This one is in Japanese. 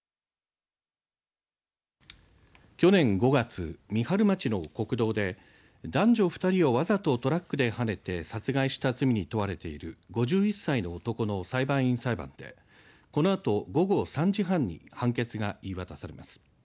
去年５月三春町の国道で男女２人をわざとトラックではねて殺害した罪に問われている５１歳の男の裁判員裁判でこのあと、午後３時半に判決が言い渡されます。